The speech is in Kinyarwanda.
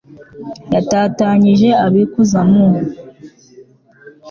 yatatanyije abikuza mu